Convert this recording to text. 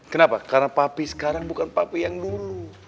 kenapa karena papi sekarang bukan papi yang lulu